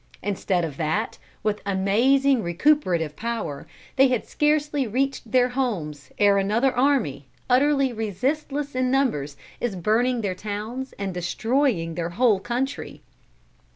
Instead of that, with amazing recuperative power, they had scarcely reached their homes ere another army, utterly resistless in numbers, is burning their towns and destroying their whole country.